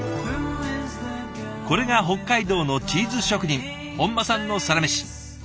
これが北海道のチーズ職人本間さんのサラメシ。